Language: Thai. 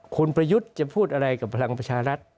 คุณประยุทธ์จะพูดอะไรกับพลังประชารัฐ